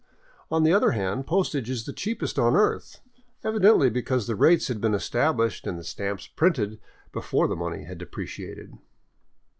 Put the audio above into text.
On the other hand, postage is the cheapest on earth, evidently because the rates had been established and the stamps printed before the money depreciated.